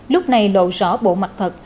lúc này lộ rõ bộ mặt thật